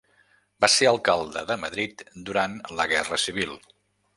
Va ser alcalde de Madrid durant la Guerra Civil.